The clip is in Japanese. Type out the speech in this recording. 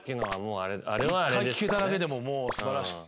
１回聞けただけでももう素晴らしいですから。